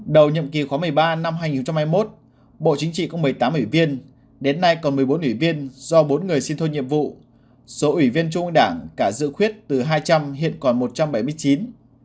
đầu nhậm kỳ khóa một mươi ba năm hai nghìn hai mươi một bộ chính trị có một mươi tám ủy viên đến nay còn một mươi bốn ủy viên do bốn người xin thôi nhiệm vụ số ủy viên trung ương đảng cả dự khuyết từ hai trăm linh hiện còn một trăm bảy mươi chín